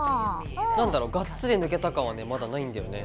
なんだろがっつり抜けた感はねまだないんだよね。